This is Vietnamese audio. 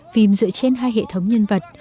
phim dựa trên hai hệ thống nhân vật